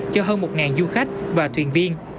cho hơn một du khách và thuyền viên